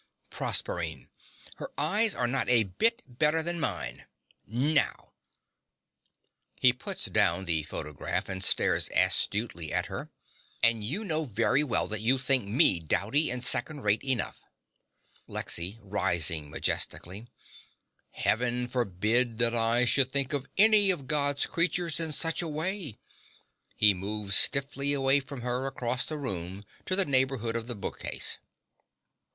PROSERPINE. Her eyes are not a bit better than mine now! (He puts down the photograph and stares austerely at her.) And you know very well that you think me dowdy and second rate enough. LEXY (rising majestically). Heaven forbid that I should think of any of God's creatures in such a way! (He moves stiffly away from her across the room to the neighbourhood of the bookcase.)